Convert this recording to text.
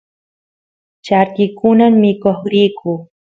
charki kunan mikoq riyku